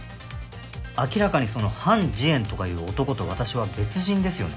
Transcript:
明らかにそのハン・ジエンとかいう男と私は別人ですよね。